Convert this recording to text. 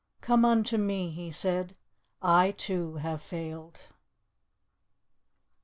Come unto Me,' He said; 'I, too, have failed.